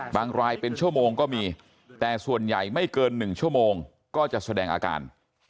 รายเป็นชั่วโมงก็มีแต่ส่วนใหญ่ไม่เกิน๑ชั่วโมงก็จะแสดงอาการ